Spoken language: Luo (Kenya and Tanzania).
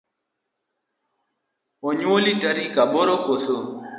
Onyuoli Tarik aboro koso?